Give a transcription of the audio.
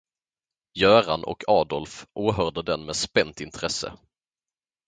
Göran och Adolf åhörde den med spänt intresse.